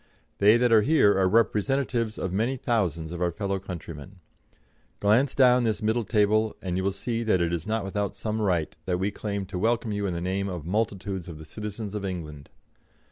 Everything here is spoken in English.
They that are here are representatives of many thousands of our fellow countrymen. Glance down this middle table, and you will see that it is not without some right that we claim to welcome you in the name of multitudes of the citizens of England.